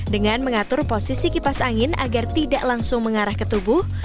dengan mengatur posisi kipas angin agar tidak langsung mengarah ke tubuh